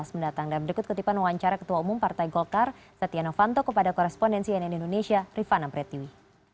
mendatangkan berikut ketipan wawancara ketua umum partai golkar satyana vanto kepada korespondensi nn indonesia rifana pretiwi